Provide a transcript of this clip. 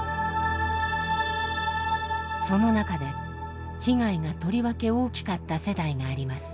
その中で被害がとりわけ大きかった世代があります。